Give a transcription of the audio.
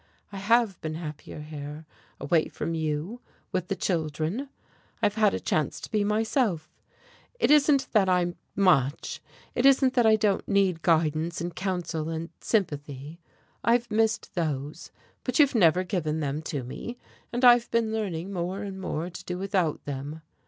"I have been happier here, away from you, with the children; I've had a chance to be myself. It isn't that I'm much. It isn't that I don't need guidance and counsel and sympathy. I've missed those, but you've never given them to me, and I've been learning more and more to do without them.